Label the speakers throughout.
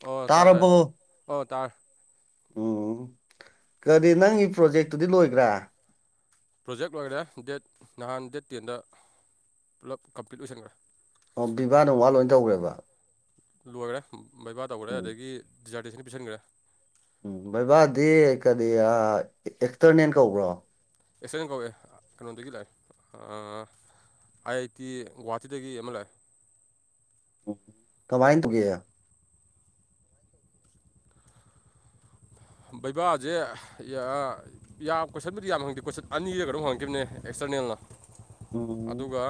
Speaker 1: ꯑꯣ ꯇꯥꯏ ꯇꯥꯏ
Speaker 2: ꯇꯥꯔꯕꯣ
Speaker 1: ꯑꯣ ꯇꯥꯔꯦ
Speaker 2: ꯎꯝ ꯀꯔꯤ ꯅꯪꯒꯤ ꯄ꯭ꯔꯣꯖꯦꯛꯇꯨꯗꯤ ꯂꯣꯏꯈ꯭ꯔꯦ
Speaker 1: ꯄ꯭ꯔꯣꯖꯦꯛ ꯂꯣꯏꯈꯔꯦ ꯗꯦꯠ ꯅꯍꯥꯟ ꯗꯦꯠ ꯇꯦꯟꯗ ꯄꯨꯂꯞ ꯀꯝꯄ꯭ꯂꯤꯠ ꯂꯣꯏꯁꯟꯈ꯭ꯔꯦ
Speaker 2: ꯑꯣ ꯕꯤꯕꯥꯅ ꯋꯥ ꯂꯣꯏ ꯇꯧꯒꯔ꯭ꯦꯕ
Speaker 1: ꯂꯣꯏꯈꯔꯦ ꯕꯩꯕꯥ ꯇꯧꯈ꯭ꯔꯦ
Speaker 2: ꯎꯝ
Speaker 1: ꯑꯗꯒꯤ ꯗꯤꯖꯥꯔꯇꯦꯁꯟ ꯄꯤꯁꯟꯒꯔꯦ
Speaker 2: ꯎꯝ ꯕꯩꯕꯥꯗꯤ ꯀꯔꯤ ꯑꯥ ꯑꯦꯛꯁꯇꯔꯅꯦꯟ ꯀꯧꯕ꯭ꯔꯣ
Speaker 1: ꯑꯦꯛꯁꯇꯔꯅꯦꯟ ꯀꯧꯋꯦ ꯀꯩꯅꯣꯗꯒꯤ ꯂꯥꯛꯑꯦ ꯑꯥꯏ ꯑꯥꯏ ꯇꯤ ꯒꯨꯍꯥꯇꯤꯗꯒꯤ ꯑꯃ ꯂꯥꯛꯑꯦ
Speaker 2: ꯀꯃꯥꯏꯟ [unintelligible]
Speaker 1: ꯕꯩꯕꯥꯖꯦ ꯌꯥ ꯑꯥ ꯌꯥꯝ ꯀꯣꯏꯁꯟꯕꯨꯗꯤ ꯌꯥꯝ ꯍꯪꯗꯦ ꯀꯣꯏꯁꯠ ꯑꯅꯤꯔ ꯀꯩꯅꯣꯝ ꯍꯪꯉꯥꯛꯈꯤꯕꯅꯦ ꯑꯦꯛꯁꯇꯔꯅꯦꯜꯅ
Speaker 2: ꯎꯝ
Speaker 1: ꯑꯗꯨꯒ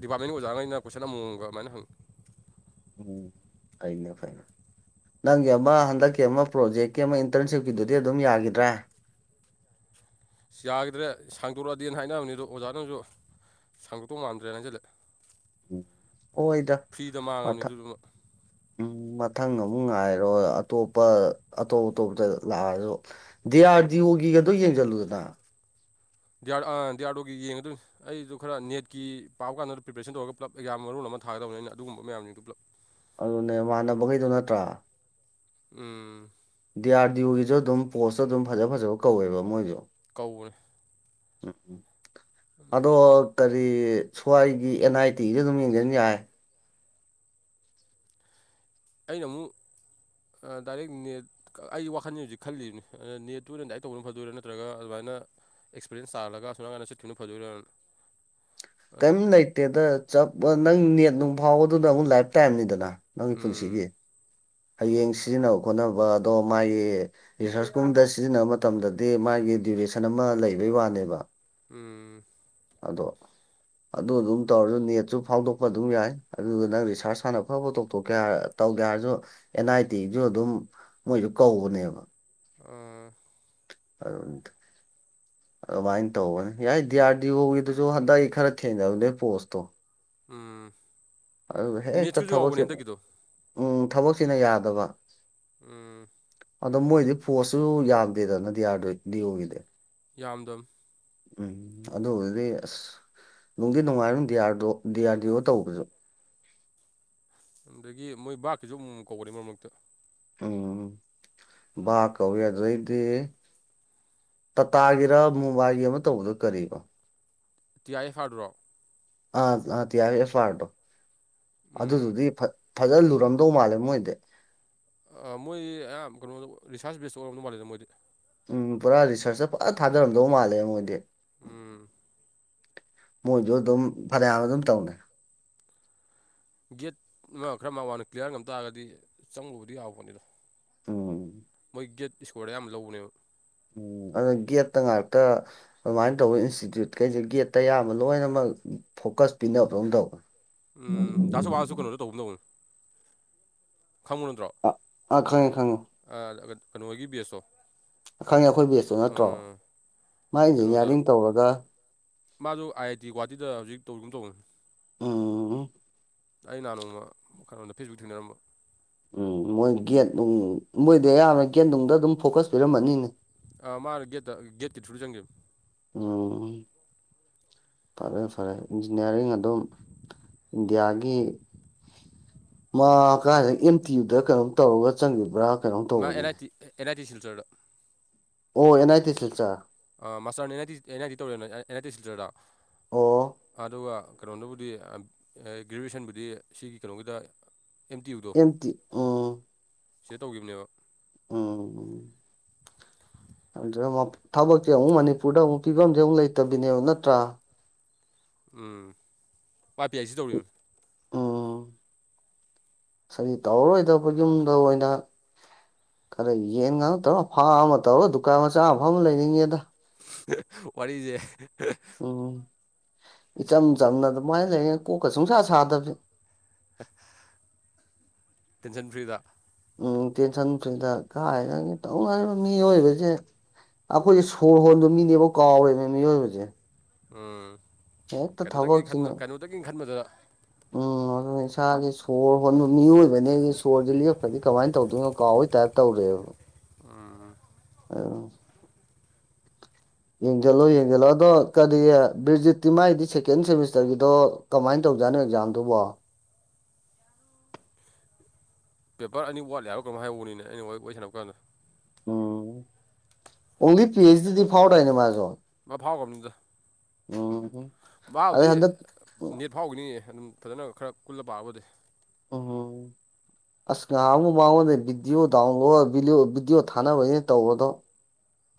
Speaker 1: ꯗꯤꯄꯥꯔꯠꯃꯦꯟꯒꯤ ꯑꯣꯖꯥꯒꯩꯅ ꯀꯣꯏꯁꯟ ꯑꯃꯃꯝꯒ ꯑꯗꯨꯃꯥꯏꯅ ꯍꯪꯉꯤ
Speaker 2: ꯎꯝ ꯑꯩꯅ ꯐꯩ ꯅꯪꯒꯤ ꯑꯃꯥ ꯍꯟꯗꯛꯀꯤ ꯑꯃꯥ ꯄ꯭ꯔꯣꯖꯦꯛꯀꯤ ꯑꯃ ꯏꯟꯇꯔꯟꯁꯤꯞꯀꯤꯗꯨꯗꯤ ꯑꯗꯨꯝ ꯌꯥꯒꯤꯗ꯭ꯔꯦ
Speaker 1: ꯑꯁ ꯌꯥꯒꯤꯗ꯭ꯔꯦ ꯁꯥꯡꯗꯣꯔꯛꯑꯗꯤ ꯍꯥꯏꯅꯕꯅꯤ ꯑꯗꯣ ꯑꯣꯖꯥꯅꯁꯨ ꯁꯥꯡꯗꯣꯛꯇꯧ ꯃꯥꯟꯗ꯭ꯔꯦꯅ ꯍꯥꯏꯖꯜꯂꯦ
Speaker 2: ꯍꯣꯏꯗ
Speaker 1: ꯃꯥꯡꯉꯕꯅꯤ
Speaker 2: ꯃꯊꯛ
Speaker 1: ꯑꯗꯨꯗꯨꯃ
Speaker 2: ꯎꯝ ꯃꯊꯪ ꯑꯃꯨꯛ ꯉꯥꯏꯔꯣ ꯑꯇꯣꯞꯄ ꯑꯇꯣꯞ ꯑꯇꯣꯞꯗ ꯂꯥꯛꯑꯁꯨ ꯗꯤ ꯑꯥꯔ ꯗꯤ ꯑꯣꯒꯤꯒꯗꯣ ꯌꯦꯡꯖꯜꯂꯨꯗꯅ
Speaker 1: ꯗꯤꯌꯥꯔ ꯑꯥ ꯗꯤꯌꯥꯔꯗꯣꯒꯤ ꯌꯦꯡꯒꯗꯣꯏꯅꯤ ꯑꯩꯖꯨ ꯈꯔ ꯅꯦꯠꯀꯤ ꯄꯥꯕ ꯀꯥꯟꯗ ꯄ꯭ꯔꯤꯄꯔꯦꯁꯟ ꯇꯧꯔꯒ ꯄꯨꯂꯞ ꯑꯦꯛꯖꯝ ꯃꯔꯣꯜ ꯑꯃ ꯊꯥꯒꯦ ꯇꯧꯅꯦ ꯑꯩꯅ ꯑꯗꯨꯒꯨꯝꯕ ꯃꯌꯥꯝꯁꯤꯡꯗꯣ ꯄꯨꯂꯞ
Speaker 2: ꯑꯗꯨꯅꯦ ꯃꯥꯟꯅꯕꯒꯩꯗꯣ ꯅꯠꯇ꯭ꯔꯥ
Speaker 1: ꯎꯝ
Speaker 2: ꯗꯤ ꯑꯥꯔ ꯗꯤ ꯑꯣꯒꯤꯁꯨ ꯑꯗꯨꯝ ꯄꯣꯁꯇꯣ ꯑꯗꯨꯝ ꯐꯖ ꯐꯖꯕ ꯀꯧꯋꯦꯕ ꯃꯣꯏꯖꯨ
Speaker 1: ꯀꯧꯕꯅꯦ
Speaker 2: ꯑꯗꯣ ꯀꯔꯤ ꯁ꯭ꯋꯥꯏꯒꯤ ꯑꯦꯟ ꯑꯥꯏ ꯇꯤꯒꯤꯗ ꯑꯗꯨꯝ ꯌꯦꯡꯖꯟ ꯌꯥꯔꯦ
Speaker 1: ꯑꯩꯅ ꯑꯃꯨꯛ ꯑ ꯗꯥꯏꯔꯦꯛ ꯅꯦꯠ ꯑꯩ ꯋꯥꯈꯟꯖꯦ ꯍꯧꯖꯤꯛ ꯈꯜꯂꯤꯝꯅꯤ ꯑ ꯅꯦꯠꯇꯨ ꯑꯣꯏꯅ ꯗꯥꯏꯔꯦꯛ ꯇꯧꯕꯅ ꯐꯗꯣꯏꯔꯥ ꯅꯠꯇ꯭ꯔꯒ ꯑꯗꯨꯃꯥꯏꯅ ꯑꯦꯛꯁꯄꯤꯔꯦꯟꯁ ꯇꯥꯜꯂꯒ ꯑꯁꯣꯟꯅꯥꯀꯟꯗ ꯆꯠꯈꯤꯕꯅ ꯐꯗꯣꯏꯔꯅ
Speaker 2: [unintelligible] ꯀꯦꯝ ꯂꯩꯇꯦꯗ ꯆꯞ ꯑ ꯅꯪ ꯅꯦꯠ ꯅꯨꯡ ꯐꯥꯎꯕꯗꯨꯅ ꯑꯃꯨꯛ ꯂꯥꯏꯐ ꯇꯥꯏꯝꯅꯤꯗꯅ ꯅꯪꯒꯤ
Speaker 1: ꯎꯝ
Speaker 2: ꯄꯨꯟꯁꯤꯒꯤ ꯍꯌꯦꯡ ꯁꯤꯖꯤꯟꯅꯕ ꯈꯣꯠꯅꯕ ꯑꯗꯣ ꯃꯥꯒꯤ ꯔꯤꯁꯔꯁꯀꯨꯝꯕꯗ ꯁꯤꯖꯤꯟꯅꯕ ꯃꯇꯝꯗꯗꯤ ꯃꯥꯒꯤ ꯗꯤꯔꯦꯁꯟ ꯑꯃ ꯂꯩꯕꯩ ꯋꯥꯅꯦꯕ
Speaker 1: ꯎꯝ
Speaker 2: ꯑꯗꯣ ꯑꯗꯨ ꯑꯗꯨꯝ ꯇꯧꯔꯁꯨ ꯅꯦꯠꯁꯨ ꯐꯥꯎꯗꯣꯛꯄ ꯑꯗꯨꯝ ꯌꯥꯏ ꯑꯗꯨꯗꯨꯅ ꯔꯤꯁꯥꯥꯔꯁ ꯍꯥꯟꯅ ꯐꯠ ꯐꯠ ꯇꯣꯛꯊꯣꯛꯀꯦ ꯍꯥꯏ ꯇꯧꯒꯦ ꯍꯥꯏꯔꯁꯨ ꯑꯦꯟ ꯑꯥꯏ ꯇꯤꯁꯨ ꯑꯗꯨꯝ ꯃꯣꯏꯖꯨ ꯀꯧꯕꯅꯦꯕ
Speaker 1: ꯑꯥ
Speaker 2: [unintelligible] ꯑꯗꯨꯃꯥꯏꯅ ꯇꯧꯕꯅꯦ ꯌꯥꯏ ꯗꯤ ꯑꯥꯔ ꯗꯤ ꯑꯣꯒꯤꯗꯨꯁꯨ ꯍꯟꯗꯛ ꯑꯩ ꯈꯔ ꯊꯦꯡꯅꯕꯅꯦ ꯄꯣꯁꯇꯣ
Speaker 1: ꯎꯝ
Speaker 2: ꯑꯗꯨꯒ ꯍꯦꯛꯇ
Speaker 1: ꯃꯦꯠꯁꯀꯤꯁꯨ
Speaker 2: ꯊꯕꯛꯁꯦ
Speaker 1: ꯌꯥꯎꯕꯅꯦ ꯍꯟꯗꯛꯀꯤꯗꯣ
Speaker 2: ꯎꯝ ꯊꯕꯛꯁꯤꯅ ꯌꯥꯗꯕ
Speaker 1: ꯎꯝ
Speaker 2: ꯑꯗꯣ ꯃꯣꯏꯗꯤ ꯄꯣꯁꯁꯨ ꯌꯥꯝꯗꯦꯗꯅ ꯗꯤ ꯌꯥꯔ ꯗꯤ ꯌꯣꯒꯤꯗꯤ
Speaker 1: ꯌꯥꯝꯗꯝ
Speaker 2: ꯎꯝ ꯑꯗꯨꯕꯨꯗꯤ ꯑꯁ ꯅꯨꯡꯗꯤ ꯅꯨꯡꯉꯥꯏꯔꯝ ꯗꯤ ꯑꯥꯔꯗꯣ ꯗꯤ ꯑꯥꯔ ꯗꯤ ꯑꯣ ꯇꯧꯕꯖꯨ
Speaker 1: ꯑꯗꯨꯗꯒꯤ ꯃꯣꯏ ꯕꯥꯛꯀꯤꯁꯨ ꯑꯃꯨꯛꯃꯨꯛ ꯀꯧꯕꯅꯤ ꯃꯔꯛ ꯃꯔꯛꯇ
Speaker 2: ꯎꯝ ꯕꯥꯛ ꯀꯧꯏ ꯑꯗꯨꯗꯩꯗꯤ ꯇꯥꯇꯥꯒꯤꯔ ꯃꯣꯕꯥꯏꯒꯤ ꯑꯃ ꯇꯧꯕꯗꯣ ꯀꯔꯤꯕ
Speaker 1: ꯇꯤ ꯑꯥꯏ ꯑꯦꯐ ꯑꯥꯔꯗꯨꯔꯣ
Speaker 2: ꯑꯥ ꯑꯥ ꯇꯤꯌꯥ ꯑꯦꯐ ꯑꯥꯔꯗꯣ
Speaker 1: ꯎꯝ
Speaker 2: ꯑꯗꯨꯗꯨꯗꯤ ꯐꯥ ꯐꯖꯅ ꯂꯨꯔꯝꯗꯧ ꯃꯥꯜꯂꯦ ꯃꯣꯏꯗꯤ
Speaker 1: ꯑ ꯃꯣꯏꯗꯤ ꯑꯌꯥꯝꯕ ꯀꯩꯅꯣꯗꯣ ꯔꯤꯁꯥꯔꯁ ꯕꯦꯁ ꯑꯣꯏꯔꯝꯗꯧ ꯃꯥꯜꯂꯤꯗ ꯃꯣꯏꯗꯤ
Speaker 2: ꯎꯝ ꯄꯨꯔꯥ ꯔꯤꯁꯔꯁꯇ ꯐꯖ ꯊꯥꯗꯔꯝꯗꯧ ꯃꯥꯜꯂꯦꯕ ꯃꯣꯏꯗꯤ
Speaker 1: ꯎꯝ
Speaker 2: ꯃꯣꯏꯖꯨ ꯑꯗꯨꯝ ꯐꯅꯌꯥꯝ ꯑꯗꯨꯝ ꯇꯧꯅꯩ
Speaker 1: ꯒꯦꯠ ꯅꯪꯅ ꯈꯔ ꯃꯉꯥꯟ ꯀ꯭ꯂꯤꯌꯥꯔ ꯉꯝ ꯇꯥꯔꯒꯗꯤ ꯆꯪꯕꯕꯨꯗꯤ ꯌꯥꯕ ꯄꯣꯠꯅꯤꯗ
Speaker 2: ꯎꯝ
Speaker 1: ꯒꯦꯠ ꯏꯁꯣꯔꯗ ꯑꯌꯥꯝꯕ ꯂꯧꯕꯅꯦꯕ
Speaker 2: ꯎꯝ ꯑꯗꯨꯅ ꯒꯦꯠꯇ ꯉꯥꯛꯇ ꯑꯗꯨꯃꯥꯏꯅ ꯇꯧꯕ ꯏꯟꯁꯇꯤꯇ꯭ꯌꯨꯠ ꯀꯩꯁꯦ ꯒꯦꯠꯇ ꯑꯌꯥꯝꯕ ꯂꯣꯏꯅꯃꯛ ꯐꯣꯀꯁ ꯄꯤꯅꯕꯗꯧꯅ ꯇꯧꯕꯅꯦ
Speaker 1: ꯎꯝ ꯗꯥ ꯁꯨꯕꯥꯁꯁꯨ ꯀꯩꯅꯣꯗ ꯇꯧꯕꯨꯝ ꯇꯧꯕꯅꯤ ꯈꯪꯕꯥ ꯅꯠꯇꯔꯣ
Speaker 2: ꯑꯥ ꯑꯥ ꯈꯪꯉꯦ ꯈꯪꯉꯦ
Speaker 1: ꯑꯥ ꯀꯩꯅꯣꯒꯤ ꯕꯦꯁꯇꯣ
Speaker 2: ꯈꯪꯉꯦ ꯑꯩꯈꯣꯏ ꯕꯦꯁꯇꯣ ꯅꯠꯇ꯭ꯔꯣ ꯃꯥ ꯏꯟꯖꯤꯅꯤꯌꯥꯔꯤꯡ ꯇꯧꯔꯒ
Speaker 1: ꯃꯥꯖꯨ ꯑꯥꯏ ꯑꯥꯏ ꯇꯤ ꯒꯨꯍꯥꯇꯤꯗ ꯍꯧꯖꯤꯛ ꯇꯧꯔꯤꯒꯨꯝ ꯇꯧꯕꯅꯤ
Speaker 2: ꯎꯝ
Speaker 1: ꯑꯩ ꯅꯍꯥꯟ ꯅꯣꯡꯃ ꯀꯩꯅꯣꯗ ꯐꯦꯁꯕꯨꯛ ꯊꯦꯡꯅꯔꯝꯕ
Speaker 2: ꯎꯝ ꯃꯣꯏ ꯒꯦꯠ ꯅꯨꯡ ꯃꯣꯏꯗꯤ ꯑꯌꯥꯝꯕꯅ ꯒꯦꯠꯅꯨꯡꯗ ꯑꯗꯨꯝ ꯐꯣꯀꯁ ꯄꯤꯔꯝꯃꯅꯤꯅꯦ
Speaker 1: ꯑ ꯃꯥꯅ ꯒꯦꯠꯇ ꯒꯦꯠꯀꯤ ꯊ꯭ꯔꯨꯗ ꯆꯪꯒꯤꯕꯅꯦ
Speaker 2: ꯎꯝ ꯐꯔꯦ ꯐꯔꯦ ꯏꯟꯖꯤꯅꯤꯌꯥꯔꯤꯡ ꯑꯗꯨꯝ ꯏꯟꯗꯤꯌꯥꯒꯤ ꯃꯥ ꯀꯥꯏꯗ ꯑꯦꯝ ꯇꯤ ꯌꯨꯗ ꯀꯩꯅꯣꯝ ꯇꯧꯔꯒ ꯆꯪꯒꯤꯕ꯭ꯔꯥ
Speaker 1: ꯃꯥ ꯑꯦꯂꯥꯏ ꯇꯤ ꯑꯦꯂꯥꯏ ꯇꯤ ꯁꯤꯜꯆꯔꯗ
Speaker 2: ꯑꯣ ꯑꯦꯟ ꯑꯥꯏ ꯇꯤ ꯁꯤꯟꯆ
Speaker 1: ꯃꯥꯁꯇꯔꯅ N I T N I T ꯇꯧꯔ ꯑꯦꯟ ꯑꯥꯏ ꯇꯤ ꯁꯤꯜꯆꯔꯗ
Speaker 2: ꯑꯣ
Speaker 1: ꯑꯗꯨꯒ ꯀꯩꯅꯣꯅꯕꯨꯗꯤ ꯒ꯭ꯔꯦꯖꯨꯋꯦꯁꯟꯕꯨꯗꯤ ꯁꯤꯒꯤ ꯀꯩꯅꯣꯒꯤꯗ ꯑꯦꯝ ꯇꯤ ꯌꯨꯗꯣ
Speaker 2: ꯇꯤ ꯎꯝ
Speaker 1: ꯁꯤꯗ ꯇꯧꯈꯤꯕꯅꯦꯕ
Speaker 2: ꯎꯝ ꯎꯝ ꯈꯡꯗꯔ꯭ꯦꯕꯣ ꯊꯕꯛꯁꯦ ꯑꯃꯨꯛ ꯃꯅꯤꯄꯨꯔꯗ ꯑꯃꯨꯛ ꯐꯤꯕꯝꯁꯦ ꯑꯃꯨꯛ ꯂꯩꯇꯕꯤꯅꯦꯕ ꯅꯠꯇ꯭ꯔꯥ
Speaker 1: ꯎꯝ ꯄꯥꯏ ꯄꯤ ꯑꯥꯏ ꯁꯤ ꯇꯧꯔꯤꯕꯅꯦ
Speaker 2: ꯑꯁꯩ ꯇꯧꯔꯔꯣꯏꯗꯕ ꯌꯨꯝꯗ ꯑꯣꯏꯅ ꯈꯔ ꯌꯦꯟ ꯉꯅꯨ ꯇꯧꯔꯣ ꯑꯐꯥꯝ ꯑꯃ ꯇꯧꯔꯣ ꯗꯨꯀꯥꯟ ꯃꯆꯥ ꯑꯃ ꯐꯝꯃꯥ ꯂꯩꯅꯤꯡꯉꯦꯗ
Speaker 1: [unintelligible] ꯋꯥꯔꯤꯁꯦ [unintelligible]
Speaker 2: ꯎꯝ ꯏꯆꯝ ꯆꯝꯅ ꯑꯗꯨꯃꯥꯏꯅ ꯂꯩꯌꯦ ꯀꯣꯛꯀ ꯁꯨꯡꯁꯥ ꯁꯥꯗꯕꯁꯦ
Speaker 1: [unintelligible] ꯇꯦꯟꯁꯟ ꯐ꯭ꯔꯤꯗ
Speaker 2: ꯎꯝ ꯇꯦꯟꯁꯟ ꯐ꯭ꯔꯤꯗ ꯀꯥꯏꯅꯤ ꯇꯧꯅꯔꯤꯕ ꯃꯤꯑꯣꯏꯕꯁꯦ ꯑꯩꯈꯣꯏꯁꯦ ꯁꯣꯔ ꯍꯣꯟꯕ ꯃꯤꯅꯦꯕ ꯀꯥꯎꯔꯦꯅꯦ ꯃꯤꯑꯣꯏꯕꯁꯦ
Speaker 1: ꯎꯝ
Speaker 2: ꯍꯦꯛꯇ
Speaker 1: ꯀꯩꯅꯣꯇꯪ
Speaker 2: ꯊꯕꯛꯁꯤꯅ
Speaker 1: ꯈꯟꯕ ꯀꯩꯅꯣꯗꯒꯤ ꯈꯟꯕꯗꯨꯗ
Speaker 2: ꯎꯝ ꯑꯗꯨ ꯏꯁꯥꯁꯦ ꯁꯣꯔ ꯍꯣꯟꯕ ꯃꯤꯑꯣꯏꯕꯅꯦ ꯑꯩꯗꯤ ꯁꯣꯔꯁꯦ ꯂꯤꯔꯄ꯭ꯔꯗꯤ ꯀꯃꯥꯏꯅ ꯇꯧꯗꯣꯏꯅꯣ ꯀꯥꯎꯋꯩ ꯇꯥꯏꯄ ꯇꯧꯔꯦꯕ
Speaker 1: [unintelligible] ꯎꯝ [unintelligible]
Speaker 2: [unintelligible] ꯑꯩꯋꯡ [unintelligible] ꯌꯦꯡꯖꯤꯂꯣ
Speaker 1: ꯇꯧ
Speaker 2: ꯌꯦꯡꯖꯤꯂꯣ ꯑꯗꯣ ꯀꯗꯤ ꯕꯤ꯭ꯔꯖꯤꯠꯇꯤ ꯃꯥꯒꯤꯗꯤ ꯁꯦꯀꯦꯟ ꯁꯦꯃꯤꯁꯇꯔꯒꯤꯗꯣ ꯀꯃꯥꯏꯅ ꯇꯧꯖꯥꯠꯅꯣ ꯑꯦꯛꯖꯥꯝꯗꯨꯕꯣ
Speaker 1: ꯄꯦꯄꯔ ꯑꯅꯤ ꯋꯥꯠꯂꯤ ꯍꯥꯏꯔ ꯀꯩꯌꯣꯏꯝꯍꯥꯏꯍꯧꯕꯅꯤꯅꯦ ꯑꯩꯅ ꯋꯥꯔꯤ ꯋꯥꫪꯤ ꯑꯣꯏ ꯁꯥꯟꯅꯕ ꯀꯥꯟꯗ
Speaker 2: ꯎꯝ ꯑꯣꯡꯂꯤ ꯄꯤ ꯑꯩꯁꯗꯤꯗꯤ ꯐꯥꯎꫪꯗꯥꯏꯅꯦ ꯃꯥꯖꯣ
Speaker 1: ꯃꯥ ꯐꯥꯎꯈ꯭ꯔꯕꯅꯤꯗ ꯥ
Speaker 2: ꯑꯗꯩ
Speaker 1: ꯃꯥꯕꯨꯗꯤ
Speaker 2: ꯍꯟꯗꯛ
Speaker 1: ꯅꯦꯠ ꯐꯥꯎꯒꯤꯅꯤꯌꯦ ꯑꯗꯨꯝ ꯐꯖꯅ ꯈꯔ ꯀꯨꯜꯂ ꯄꯥꯕꯨꯗꯤ
Speaker 2: ꯎꯍꯨꯝ ꯑꯁ ꯉꯍꯜ ꯃꯥꯡꯉꯣꯟꯗꯩꯩ ꯕꯤꯗꯤꯑꯣ ꯗꯧꯂꯣꯕꯤꯑꯣ ꯕꯤꯗꯤꯑꯣ ꯊꯥꯅꯕꯅꯤꯅ ꯇꯧꯕꯗꯣ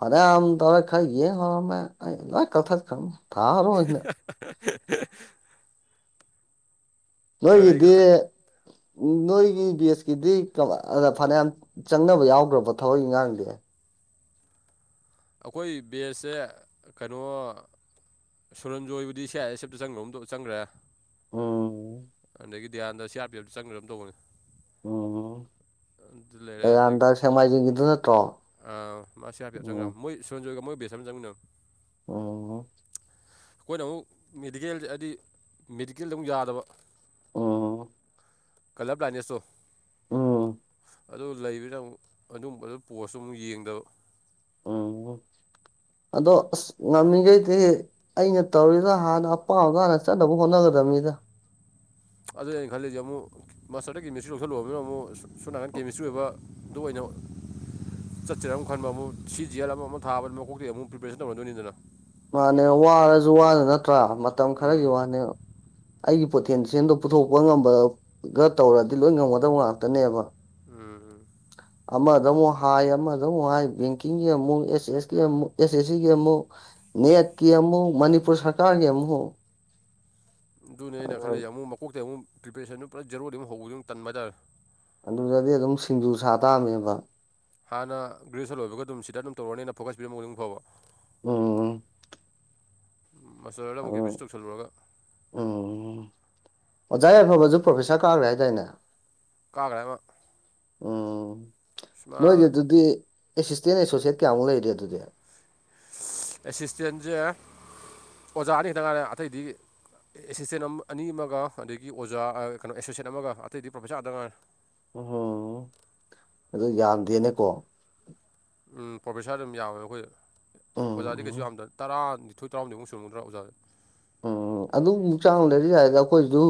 Speaker 2: ꯑꯗꯩꯩ ꯑꯃꯨꯛꯃꯨꯛ ꯇꯧꯔ ꯈ ꯌꯦꯡ ꯉꯝꯃꯝꯃꯦ ꯑꯩ ꯂꯣꯏ ꯀꯊ ꯈꯥꯝ ꯇꯥꯃꯨꯛꯅ
Speaker 1: [unintelligible] ꯍꯥꯍꯥ ꯈꯔ
Speaker 2: ꯅꯣꯏꯒꯤꯗꯤ
Speaker 1: ꯈꯔ
Speaker 2: ꯅꯣꯏꯒꯤ ꯕꯦꯁꯀꯤꯗꯤ ꯀꯃꯥꯏ ꯑꯥ ꯐꯅꯌꯥꯝ ꯆꯪꯅꯕ ꯌꯥꯎꯒꯔꯥꯕꯣ ꯊꯋꯥꯛ ꯏꯡ ꯉꯥꯡꯗꯤ
Speaker 1: ꯑꯩꯈꯣꯏ ꯕꯦꯁꯁꯦ ꯀꯩꯅꯣ ꯁꯨꯔꯟꯖꯣꯏꯕꯨꯗꯤ ꯁꯤ ꯑꯥꯏ ꯑꯦꯁ ꯑꯦꯐꯇ ꯆꯪꯒ꯭ꯔꯒꯨꯝ ꯆꯪꯒ꯭ꯔꯦ
Speaker 2: ꯎꯝ
Speaker 1: ꯑꯗꯒꯤ ꯗꯌꯥꯥꯟꯟꯗ ꯁꯤ ꯑꯥꯔ ꯄꯤ ꯑꯦꯐꯇ ꯆꯪꯒ꯭ꯔꯒꯨꯝ ꯇꯧꯕꯅꯦ
Speaker 2: ꯎꯝ
Speaker 1: ꯑꯗꯨ ꯂꯩꯔꯦ ꯑꯗ
Speaker 2: ꯂꯩꯔꯥꯝꯗ ꯁꯦꯡꯃꯥꯏꯖꯤꯡꯒꯤꯗꯨ ꯅꯠꯇ꯭ꯔꯣ
Speaker 1: ꯑ ꯃꯥ ꯁꯤ ꯑꯥꯔꯄꯤꯌꯦꯞ ꯆꯡꯒ꯭ꯔꯅꯦ
Speaker 2: ꯎꯝ
Speaker 1: [inaudible] ꯁꯨꯔꯟꯖꯣꯏꯒ ꯃꯣꯏ ꯕꯦꯁ ꯑꯝꯗ ꯆꯪꯃꯤꯟꯅꯕꯅꯦ
Speaker 2: ꯑꯣ
Speaker 1: ꯑꯩꯈꯣꯏꯅ ꯑꯃꯨꯛ ꯃꯦꯗꯤꯀꯦꯜꯖꯦ ꯍꯥꯏꯗꯤ ꯃꯦꯗꯤꯀꯦꯜꯗ ꯑꯃꯨꯛ ꯌꯥꯗꯕ
Speaker 2: ꯎꯝ
Speaker 1: ꯀꯜꯂꯔ ꯕ꯭ꯂꯥꯏꯟꯅꯦꯁ ꯇꯣ
Speaker 2: ꯎꯝ
Speaker 1: ꯑꯗꯨ ꯂꯩꯕꯗ ꯑꯃꯨꯛ ꯑꯗꯨꯝꯕ ꯄꯣꯁꯇꯨ ꯑꯃꯨꯛ ꯌꯦꯡꯗꯕ
Speaker 2: ꯎꯝ ꯑꯗꯣ ꯑꯁ ꯉꯝꯃꯤꯈꯩꯗꯤ ꯑꯩꯅ ꯇꯧꯔꯤꯗ ꯍꯥꯟꯅ ꯑꯄꯥꯝꯕꯗ ꯍꯥꯟꯅ ꯆꯠꯅꯕ ꯍꯣꯠꯅꯒꯗꯕꯅꯤꯗ
Speaker 1: [unintelligible] ꯑꯗꯨꯅꯦ ꯑꯩ ꯈꯜꯂꯤꯁꯦ ꯑꯃꯨꯛ ꯃꯥꯁꯇꯔꯗ ꯀꯦꯃꯤꯁꯇ꯭ꯔꯤ ꯂꯧꯁꯤꯜꯂꯨꯔꯒꯥ ꯑꯃꯨꯛ ꯁꯣꯝ ꯅꯥꯀꯟ ꯀꯦꯃꯤꯁꯇ꯭ꯔꯤ ꯑꯣꯏꯕ [unintelligible] ꯑꯗꯨ ꯑꯣꯏꯅ [unintelligible] ꯆꯠꯁꯔ ꯑꯃꯨꯛ ꯈꯟꯕ ꯑꯃꯨꯛ ꯁꯤ ꯖꯤꯋꯜ ꯑꯃ ꯑꯃ ꯊꯕꯅꯤ ꯃꯀꯣꯛꯇꯩ ꯑꯃꯨꯛ ꯄ꯭ꯔꯤꯄꯦꯁꯟ ꯇꯧꯅꯥꯗꯣꯏꯅꯤꯗꯅ
Speaker 2: ꯃꯥꯅꯦ ꯋꯥꯔꯁꯨ ꯋꯥꯅ ꯅꯠꯇ꯭ꯔꯥ ꯃꯇꯝ ꯈꯔꯒꯤ
Speaker 1: ꯎꯝ
Speaker 2: ꯋꯥꯅꯦ ꯑꯩꯒꯤ ꯄꯣꯊꯦꯟꯁꯤꯋꯜꯗꯣ ꯄꯨꯊꯣꯛꯄ ꯉꯝꯕꯒ ꯇꯧꯔꯗꯤ ꯂꯣꯏ ꯉꯝꯒꯗꯕ ꯉꯥꯛꯇꯅꯦꯕ
Speaker 1: ꯎꯝ ꯎꯝ
Speaker 2: [inaudible] ꯑꯃꯗ ꯑꯃꯨꯛ ꯍꯥꯏ ꯑꯃꯗ ꯑꯃꯨꯛ ꯍꯥꯏ ꯕꯦꯡꯀꯤꯡꯒꯤ ꯑꯃꯨꯛ ꯑꯦꯁ ꯑꯦ ꯑꯦꯁꯀꯤ ꯑꯃꯨꯛ ꯑꯦꯁ ꯑꯦꯁ ꯁꯤꯒꯤ ꯑꯃꯨꯛ ꯅꯦꯠꯀꯤ ꯑꯃꯨꯛ ꯃꯅꯤꯄꯨꯔ ꯁꯔꯀꯥꯔꯒꯤ ꯑꯃꯨꯛ
Speaker 1: ꯑꯗꯨꯅꯦꯩꯅ ꯈꯜꯂꯤꯖꯦ ꯑꯃꯨꯛ ꯃꯀꯣꯛ ꯑꯃꯨꯛ ꯄꯔꯤꯄꯦꯁꯟꯗꯨ ꯄꯨꯂꯞ ꯖꯦꯔꯣꯗꯒꯤ ꯍꯧꯕꯗꯨ ꯇꯟꯕ ꯍꯥꯏꯇꯥꯔꯦ
Speaker 2: ꯑꯗꯨꯗꯗꯤ ꯑꯗꯨꯝ ꯁꯤꯡꯖꯨ ꯁꯥ ꯇꯥꯝꯃꯦꯕ
Speaker 1: ꯍꯥꯟꯅ ꯒ꯭ꯔꯦꯖꯨꯁꯟ ꯂꯣꯏꯕ ꯑꯗꯨꯝ ꯁꯤꯗ ꯑꯗꯨꯝ ꯇꯧꯔꯅꯤꯅ ꯐꯣꯀꯁ ꯄꯤꯔꯝꯕ ꯑꯣꯏꯗꯤ ꯐꯕ
Speaker 2: ꯎꯝ
Speaker 1: ꯃꯁꯇꯔꯗ ꯑꯃꯨꯛ [unintelligible]
Speaker 2: ꯎꯝ
Speaker 1: ꯇꯧꯁꯜꯂꯨꯔꯒ
Speaker 2: ꯎꯝ ꯑꯣꯖꯥ ꯌꯥꯏꯐꯕꯁꯨ ꯄ꯭ꯔꯣꯐꯦꯁꯥꯔ ꯀꯥꯈ꯭ꯔꯦ ꯍꯥꯏꯗꯥꯏꯅꯦ
Speaker 1: ꯀꯥꯒ꯭ꯔ ꯃꯥ
Speaker 2: ꯎꯝ ꯅꯣꯏꯗꯤ ꯑꯗꯨꯗꯤ ꯑꯦꯁꯤꯁꯇꯦꯟ ꯑꯦꯁꯣꯁꯤꯌꯦꯠ ꯀꯌꯥꯃꯨꯛ ꯂꯩꯒꯦ ꯑꯗꯨꯗꯤ
Speaker 1: ꯑꯦꯁꯤꯁꯇꯦꯟꯁꯦ ꯑꯣꯖꯥ ꯑꯅꯤ ꯈꯦꯛꯇꯪ ꯉꯥꯏꯔꯦ ꯑꯇꯩꯗꯤ ꯑꯦꯁꯤꯁꯇꯦꯟ ꯑꯃ ꯑꯅꯤ ꯑꯃꯒ ꯑꯗꯒꯤ ꯑꯣꯖꯥ ꯀꯩꯅꯣ ꯑꯦꯁꯣꯁꯦꯠ ꯑꯃꯒ ꯑꯇꯩꯗꯤ ꯄ꯭ꯔꯣꯐꯦꯁꯔ ꯉꯥꯡꯇ ꯉꯥꯏꯔꯦ
Speaker 2: ꯎꯝ ꯑꯗꯨ ꯌꯥꯝꯗꯦꯅꯦꯀꯣ
Speaker 1: ꯎꯝ ꯄ꯭ꯔꯣꯐꯦꯁꯥꯔ ꯑꯗꯨꯝ ꯌꯥꯎꯋꯦ ꯑꯩꯈꯣꯏ ꯑꯣꯖꯥꯗꯤ ꯀꯩꯁꯨ
Speaker 2: ꯎꯝ
Speaker 1: ꯌꯥꯝꯗ꯭ꯔꯦ ꯇꯔꯥ ꯊꯣꯏ ꯇꯔꯥꯍꯨꯝꯗꯣꯏꯃꯨꯛ ꯁꯨꯔꯝꯒꯗ꯭ꯔ ꯑꯣꯖꯥ
Speaker 2: ꯎꯝ ꯑꯗꯨꯕꯨꯛ ꯆꯥꯡ ꯂꯩꯔꯗꯤ ꯌꯥꯏꯗ ꯑꯩꯈꯣꯏꯁꯨ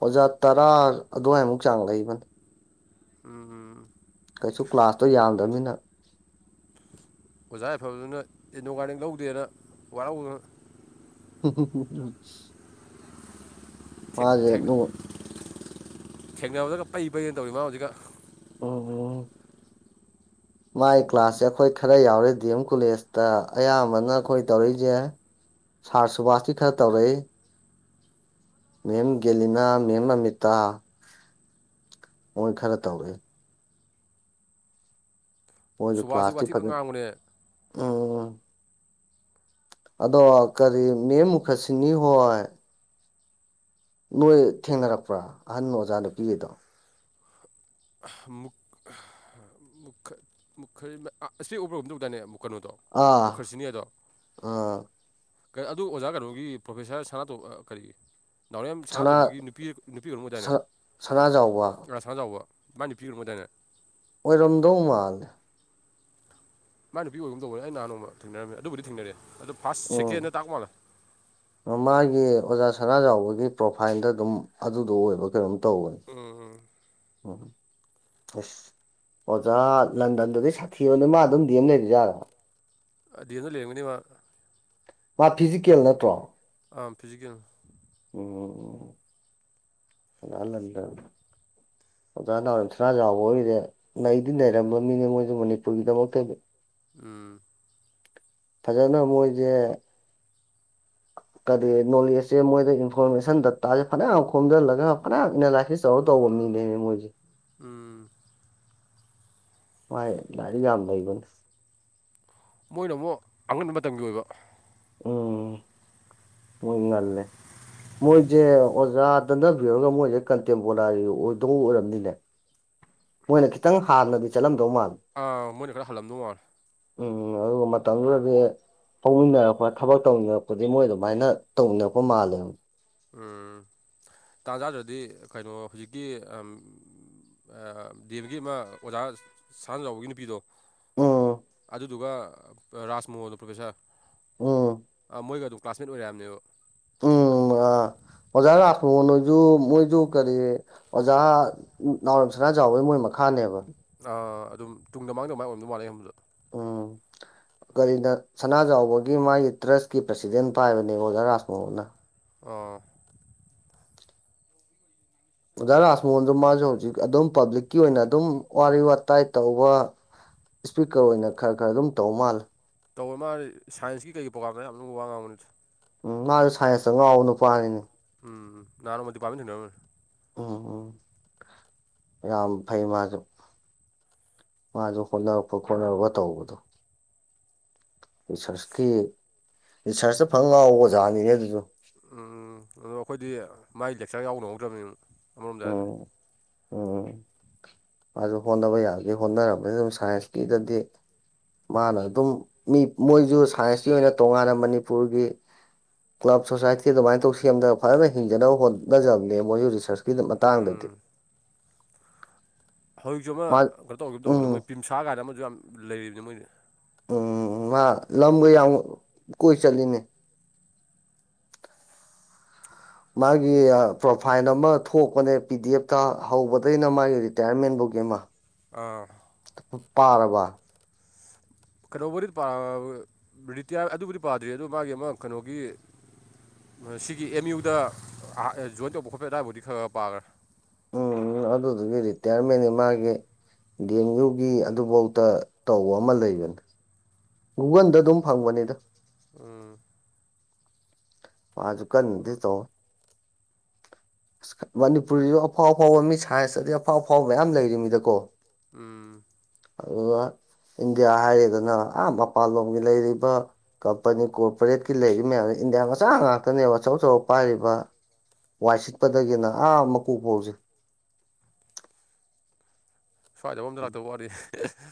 Speaker 2: ꯑꯣꯖꯥ ꯇꯔꯥ ꯑꯗꯨꯋꯥꯏꯃꯨꯛ ꯆꯥꯡ ꯂꯩꯕꯅꯤ
Speaker 1: ꯎꯝ ꯎꯝ
Speaker 2: ꯀꯩꯁꯨ ꯀ꯭ꯂꯥꯁꯇꯣ ꯌꯥꯝꯗ꯭ꯔꯕꯅꯤꯅ
Speaker 1: ꯑꯣꯖꯥ ꯌꯥꯏꯐꯕꯗꯨꯅ ꯏꯟꯗꯣꯒꯥꯅꯤꯛ ꯂꯧꯗꯦꯅ ꯋꯥꯔꯧꯗꯅ
Speaker 2: [unintelligible]
Speaker 1: ꯊꯦꯛ
Speaker 2: ꯃꯥꯁꯦ
Speaker 1: ꯊꯦꯡꯅ
Speaker 2: ꯅꯣꯡ
Speaker 1: ꯊꯦꯡꯅꯕꯗꯒ ꯄꯩ ꯄꯩꯗꯅ ꯇꯧꯔꯤ ꯃꯥ ꯍꯧꯖꯤꯛꯀꯥꯟ
Speaker 2: [inaudible] ꯃꯥꯏ ꯀ꯭ꯂꯥꯁꯁꯦ ꯑꯩꯈꯣꯏ ꯈꯔ ꯌꯥꯎꯔꯦ ꯗꯤ ꯑꯦꯝ ꯀꯣꯂꯦꯖꯇ ꯑꯌꯥꯝꯕꯅ ꯑꯩꯈꯣꯏ ꯇꯧꯔꯛꯏꯁꯦ ꯁꯥꯔ ꯁꯨꯕꯥꯁꯇꯤ ꯈꯔ ꯇꯧꯔꯛꯏ ꯃꯦꯝ ꯒꯦꯂꯤꯅꯥ ꯃꯦꯝ ꯑꯃꯤꯇꯥ ꯃꯣꯏ ꯈꯔ ꯇꯧꯔꯏ ꯃꯣꯏꯖꯨ
Speaker 1: ꯁꯨꯕꯥꯁꯁꯨ
Speaker 2: ꯀ꯭ꯂꯥꯁꯇꯤ
Speaker 1: ꯋꯥꯊꯤꯄ
Speaker 2: ꯐꯖꯅ
Speaker 1: ꯉꯥꯡꯕꯅꯦ
Speaker 2: ꯎꯝ ꯑꯗꯣ ꯀꯔꯤ ꯃꯦꯝ ꯃꯨꯈꯁꯤꯅꯤ ꯍꯣꯏ ꯅꯣꯏ ꯊꯦꯡꯅꯔꯛꯄ꯭ꯔꯥ ꯑꯍꯟ ꯑꯣꯖꯥ ꯅꯨꯄꯤꯒꯩꯗꯣ
Speaker 1: ꯨꯑ ꯃꯨꯛ ꯑ ꯃꯨꯛ ꯃꯨꯛꯈ ꯏꯁꯄꯦꯛ ꯎꯞꯄ꯭ꯔ ꯀꯩꯅꯣꯝ ꯇꯧꯗꯥꯏꯅꯦ ꯀꯩꯅꯣꯗꯣ
Speaker 2: ꯑꯥ
Speaker 1: ꯃꯨꯈꯔꯁꯤꯅꯤ ꯍꯥꯏꯗꯣ
Speaker 2: ꯑꯥ
Speaker 1: ꯀ ꯑꯗꯨ ꯑꯣꯖꯥ ꯀꯩꯅꯣꯒꯤ ꯄ꯭ꯔꯣꯐꯦꯁꯥꯔ ꯁꯅꯥꯇꯣ ꯀꯔꯤ ꯅꯥꯎꯔꯦꯝ
Speaker 2: ꯁꯅꯥ
Speaker 1: ꯁꯅꯥꯇꯣꯝꯕꯒꯤ ꯅꯨꯄꯤ ꯅꯨꯃꯤꯠ ꯀꯩꯅꯣꯝ ꯑꯣꯏꯗꯥꯏꯅꯦ
Speaker 2: ꯁꯅꯥꯖꯥꯎꯕ
Speaker 1: ꯑꯁ ꯈꯖꯥꯎꯋ ꯃꯅꯤ ꯄꯤꯈ꯭ꯔꯨ ꯃ ꯇꯥꯏꯅ
Speaker 2: ꯑꯣꯏꯔꯝꯗꯧ ꯃꯥꯜꯂꯦ
Speaker 1: ꯃꯥꯏ ꯅꯨꯄꯤ ꯑꯣꯏꯕ ꯑꯃ ꯇꯧꯕꯅꯦ ꯑꯩ ꯅꯍꯥꯟ ꯅꯣꯡꯃ ꯊꯦꯡꯅꯔꯝꯃꯦ ꯑꯗꯨꯕꯨꯗꯤ ꯊꯦꯡꯅꯔꯦ ꯑꯗꯨ
Speaker 2: ꯎꯝ ꯃꯥꯒꯤ ꯑꯣꯖꯥ ꯁꯅꯥꯖꯥꯎꯕꯒꯤ ꯄ꯭ꯔꯣꯐꯥꯏꯜꯗ ꯑꯗꯨꯝ ꯑꯗꯨꯗꯣ ꯑꯣꯏꯕ ꯀꯩꯅꯣꯝ ꯇꯧꯕꯅꯤ
Speaker 1: ꯎꯝ ꯎꯝ
Speaker 2: ꯎꯝ ꯑꯁ ꯑꯣꯖꯥ ꯂꯟꯗꯟꯗꯗꯤ ꯁꯥꯊꯤꯕꯅꯦ ꯃꯥ ꯑꯗꯨꯝ ꯗꯤꯑꯦꯝ ꯂꯩꯔꯤꯖꯥꯠꯂ
Speaker 1: ꯑ ꯗꯤ ꯑꯦꯝꯗ ꯂꯩꯔꯝꯒꯤꯅꯤ ꯃꯥ
Speaker 2: ꯃꯥ ꯐꯤꯖꯤꯀꯦꯜ ꯅꯠꯇ꯭ꯔꯣ
Speaker 1: ꯑꯥ ꯐꯤꯖꯤꯀꯦꯜ
Speaker 2: ꯎꯝ [inaudible] ꯑꯣꯖꯥ ꯅꯥꯎꯔꯦꯝ ꯁꯅꯥꯖꯥꯎꯕ ꯍꯣꯏꯒꯖꯦ ꯅꯩꯗꯤ ꯅꯩꯔꯝꯃꯝꯅꯤꯅꯦ ꯃꯣꯏꯖꯦ ꯃꯅꯤꯄꯨꯔꯒꯤꯗꯃꯛꯇꯗꯤ
Speaker 1: ꯎꯝ
Speaker 2: ꯐꯖꯅ ꯃꯣꯏꯁꯦ ꯀ ꯅꯣꯂꯦꯖꯁꯦ ꯃꯣꯏꯗ ꯏꯟꯐꯣꯔꯃꯦꯁꯟ ꯗꯇꯥꯁꯦ ꯐꯅꯌꯥꯝ ꯈꯣꯝꯖꯤꯜꯂꯒ ꯐꯅꯌꯥꯝ ꯑꯦꯅꯥꯂꯥꯏꯁꯤꯁ ꯆꯂ ꯇꯧꯕ ꯃꯤꯅꯦꯅꯦ ꯃꯣꯏꯁꯦ
Speaker 1: ꯎꯝ
Speaker 2: ꯍꯣꯏ ꯂꯥꯏꯔꯤꯛ ꯌꯥꯝꯕꯩꯒꯅꯦ
Speaker 1: ꯃꯣꯏꯅ ꯑꯃꯨꯛ ꯑꯉꯟꯕ ꯃꯇꯝꯒꯤ ꯑꯣꯏꯕ
Speaker 2: ꯎꯝ ꯃꯣꯏꯅꯜꯦ ꯃꯣꯏꯁꯦ ꯑꯣꯖꯥ ꯇꯅꯕꯤꯔꯒ ꯃꯣꯏꯁꯦ ꯀꯟꯇꯦꯝꯄꯣꯔꯥꯔꯤ ꯑꯣꯏꯗꯧ ꯑꯣꯏꯔꯝꯅꯤꯅꯦ ꯃꯣꯏꯅ ꯈꯤꯇꯪ ꯍꯥꯟꯅꯗꯤ ꯆꯠꯂꯝꯗꯧ ꯃꯥꯜ
Speaker 1: ꯑꯥ ꯃꯣꯏꯅ ꯈꯔ ꯍꯜꯂꯝꯅꯨꯉ
Speaker 2: ꯎꯝ ꯑꯗꯨꯒ ꯃꯇꯝꯗꯨꯗꯗꯤ ꯐꯧꯃꯤꯟꯅꯔꯛꯄ ꯊꯕꯛ ꯇꯧꯃꯤꯟꯅꯔꯛꯄꯗꯤ ꯃꯣꯏꯗ ꯁꯨꯃꯥꯏꯅ ꯇꯧꯅꯔꯛꯄ ꯃꯥꯜꯂꯦ
Speaker 1: ꯎꯝ ꯇꯥꯖꯥꯗ꯭ꯔꯗꯤ ꯀꯩꯅꯣ ꯍꯧꯖꯤꯛꯀꯤ ꯗꯗꯤꯕꯒꯤ ꯑꯃ ꯑꯣꯖꯥ ꯁꯍꯥꯟꯖꯕꯒꯤ ꯅꯨꯄꯤꯗꯣ
Speaker 2: ꯎꯝ
Speaker 1: ꯑꯗꯨꯗꯨꯒ ꯔꯥꯖ ꯃꯣꯍꯣꯟꯗꯣ
Speaker 2: ꯎꯝ
Speaker 1: ꯄ꯭ꯔꯣꯐꯦꯁꯥꯔ ꯃꯣꯏꯒ ꯑꯗꯨꯝ ꯀ꯭ꯂꯥꯁꯃꯦꯠ ꯑꯣꯏꯔꯛꯝꯅꯦꯕ
Speaker 2: ꯑ ꯃꯖꯥꯏ ꯔꯣ ꯅꯣꯏꯁꯨꯣ ꯃꯣꯏꯁꯨ ꯀꯦꯔꯤ ꯑꯣꯖꯥ ꯅꯥꯎꯔꯦꯝꯁꯅꯥ ꯆꯥꯎꯕꯒꯤ ꯃꯣꯏ ꯃꯈꯥꯅꯦꯕ
Speaker 1: ꯑꯗꯨꯝ ꯇꯨꯡꯗ ꯃꯃꯥꯡꯗ ꯃꯥꯏ ꯑꯣꯏꯟꯗꯧ ꯃꯥꯜꯂꯦ ꯍꯕꯗꯣ
Speaker 2: ꯎꯝ ꯀꯔꯤꯅ ꯁꯅꯥꯖꯥꯎꯕꯒꯤ ꯃꯥꯒꯤ ꯇ꯭ꯔꯁꯀꯤ ꯄ꯭ꯔꯁꯤꯗꯦꯟ ꯄꯥꯏꯕꯅꯦꯕ ꯑꯣꯖꯥ ꯔꯥꯥꯁ ꯃꯣꯍꯅ
Speaker 1: ꯑꯥ
Speaker 2: ꯑꯣꯖꯥ ꯔꯥꯖ ꯃꯣꯟꯁꯨ ꯃꯥꯁꯨ ꯍꯧꯖꯤꯛ ꯑꯗꯨꯝ ꯄꯥꯕ꯭ꯂꯤꯛꯀꯤ ꯑꯣꯏꯅ ꯑꯗꯨꯝ ꯋꯥꯔꯤ ꯋꯥꯇꯥꯏ ꯇꯧꯕ ꯏꯁꯄꯤꯀꯔ ꯑꯣꯏꯅ ꯈꯔ ꯈꯔ ꯑꯗꯨꯝ ꯇꯧ ꯃꯥꯜꯂꯦ
Speaker 1: ꯇꯧꯕ ꯃꯥꯗꯤ ꯁꯟꯁ ꯀꯩ ꯄ꯭ꯔꯣꯒꯥꯝ ꯃꯌꯥꯝ ꯌꯥꯝ ꯂꯅꯨꯡꯕ ꯋꯥ ꯉꯥꯡꯕꯅꯤꯠꯇꯦ
Speaker 2: ꯎꯝ ꯃꯥꯁꯨ ꯁꯥꯏꯟꯁꯇ ꯉꯥꯎꯕ ꯅꯨꯄꯥꯅꯤꯅꯤ
Speaker 1: ꯎꯝꯝ ꯅꯥꯟꯅ ꯃꯗꯤ ꯄꯝꯃꯤ ꯅꯅꯣꯏ
Speaker 2: ꯎꯝ ꯎꯝ ꯌꯥꯝ ꯐꯩ ꯃꯥꯁꯨ ꯃꯥꯁꯨ ꯍꯣꯠꯕ ꯈꯣꯠꯅꯔꯒ ꯇꯧꯕꯗꯣ ꯔꯤꯁꯔꯁꯀꯤ ꯔꯤꯁꯔꯁꯇ ꯐꯥꯟ ꯉꯥꯎꯕ ꯑꯣꯖꯥꯅꯤꯅꯦ ꯑꯗꯨꯁꯨ
Speaker 1: ꯎꯝ ꯑꯗꯣ ꯑꯩꯈꯣꯏꯗꯤ ꯃꯥꯏ ꯂꯦꯛꯆꯔꯒ ꯌꯥꯎꯅꯍꯧꯗ꯭ꯔꯕꯅꯤ ꯑꯃꯔꯣꯝꯗ ꯍꯥꯏꯗꯤ
Speaker 2: ꯎꯝ ꯎꯝ ꯃꯥꯁꯨ ꯍꯣꯠꯅꯕ ꯌꯥꯔꯗꯤ ꯍꯣꯠꯅꯔꯝꯕꯅꯤ ꯑꯗꯨꯝ ꯁꯥꯏꯟꯁꯀꯤꯗꯗꯤ ꯃꯥꯅ ꯑꯗꯨꯝ ꯃꯤ ꯃꯣꯏꯁꯨ ꯁꯥꯏꯟꯁꯀꯤ ꯑꯣꯏꯅ ꯇꯣꯉꯥꯟꯅ ꯃꯅꯤꯄꯨꯔꯒꯤ ꯀ꯭ꯂꯕ ꯁꯣꯁꯥꯏꯇꯤ ꯑꯗꯨꯃꯥꯏꯅ ꯇꯧ ꯁꯦꯝꯗꯒ ꯐꯖꯅ ꯍꯤꯡꯖꯅꯕ ꯍꯣꯠꯅꯖꯕꯅꯦ ꯃꯣꯏꯁꯨ ꯔꯤꯁ꯭ꯔꯁꯀꯤ
Speaker 1: ꯎꯝ
Speaker 2: ꯃꯇꯥꯡꯗꯗꯤ
Speaker 1: ꯍꯧꯖꯤꯛꯁꯨ ꯑꯃ
Speaker 2: ꯃꯥ
Speaker 1: ꯀꯩꯅꯣ ꯇꯧꯈꯤꯕ ꯇꯧꯕꯅꯦ ꯃꯣꯏ
Speaker 2: ꯎꯝ
Speaker 1: ꯄꯤꯝꯁꯥ ꯀꯥꯏꯗ ꯑꯃꯁꯨ ꯌꯥꯝ ꯂꯩꯔꯤꯕꯅꯤ ꯃꯣꯏꯗꯤ
Speaker 2: ꯎꯝ ꯃꯥ ꯂꯝꯒ ꯌꯥꯝ ꯀꯣꯏ ꯆꯠꯂꯤꯅꯦ ꯃꯥꯒꯤ ꯄ꯭ꯔꯣꯐꯥꯏꯜ ꯑꯃ ꯊꯣꯛꯄꯅꯦ ꯄꯤ ꯗꯤ ꯑꯦꯐꯇ ꯍꯧꯕꯗꯒꯤꯅ ꯃꯥꯒꯤ ꯔꯤꯥꯇꯤꯋꯥꯢꯔꯦꯟ ꯄꯣꯛꯒꯤ ꯑꯃ
Speaker 1: ꯑꯥ
Speaker 2: [unintelligible]
Speaker 1: ꯀꯩꯅꯣꯕꯨꯗꯤ ꯔꯤꯇꯤꯌꯥꯔ ꯑꯗꯨꯕꯨꯗꯤ ꯄꯥꯗ꯭ꯔꯤ ꯑꯗꯨ ꯃꯥꯒꯤ ꯑꯃ ꯀꯩꯅꯣꯒꯤ ꯁꯤꯒꯤ ꯑꯦꯝ ꯌꯨꯗ ꯖꯣꯏꯟ ꯇꯧꯕ ꯈꯣꯠꯄ ꯑꯗꯨꯋꯥꯏꯕꯨꯗꯤ ꯈꯔ ꯈꯔ ꯄꯥꯈ꯭ꯔꯦ
Speaker 2: ꯎꯝ ꯑꯗꯨꯗꯨꯒꯤ ꯔꯤꯇꯥꯌꯥꯔꯃꯦꯟꯅꯤ ꯃꯥꯒꯤ ꯗꯦꯡ ꯌꯨꯒꯤ ꯑꯗꯨꯐꯧꯗ ꯇꯧꯕ ꯑꯃ ꯂꯩꯕꯅꯤ ꯒꯨꯒꯜꯗ ꯑꯗꯨꯝ ꯐꯪꯕꯅꯦꯗ
Speaker 1: ꯎꯝ
Speaker 2: ꯃꯥꯁꯨ ꯀꯥꯟꯅꯗꯤ ꯇꯧꯕꯅꯦ ꯃꯅꯤꯄꯨꯔꯤꯗ ꯑꯐꯥꯎ ꯑꯐꯥꯎꯕ ꯃꯤ ꯁꯥꯏꯟꯁꯇꯗꯤ ꯑꯐꯥꯎ ꯑꯐꯥꯎꯕ ꯃꯌꯥꯝ ꯂꯩꯔꯤ ꯃꯤꯗꯀꯣ
Speaker 1: ꯎꯝ
Speaker 2: ꯑꯗꯨꯒ ꯏꯟꯗꯤꯌꯥ ꯍꯥꯏꯔꯦꯗꯅ ꯑ ꯃꯄꯥꯟ ꯂꯣꯝꯒꯤ ꯂꯩꯔꯤꯕ ꯀꯝꯄꯅꯤ ꯀꯣꯔꯄꯔꯦꯠꯀꯤ ꯂꯩꯔꯤ ꯃꯌꯥꯝ ꯏꯟꯗꯤꯌꯥ ꯃꯆꯥ ꯉꯥꯛꯇꯅꯦꯕ ꯑꯆꯧ ꯑꯆꯧ ꯄꯥꯏꯔꯤꯕ ꯋꯥꯏ ꯁꯤꯠꯄꯗꯒꯤꯅ ꯑꯥ ꯃꯀꯣꯛ ꯐꯧꯁꯦ
Speaker 1: ꯁ꯭ꯋꯥꯏꯗ ꯑꯝꯗ ꯂꯥꯛꯇ ꯋꯥꯅꯤ